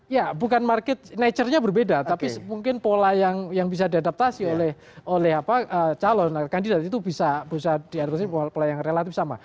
ya bukan market nature nya berbeda tapi mungkin pola yang bisa diadaptasi oleh calon kandidat itu bisa diadaptasi pola yang relatif sama